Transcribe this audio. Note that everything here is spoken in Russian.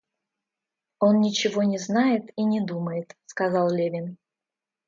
Он ничего не знает и не думает, — сказал Левин.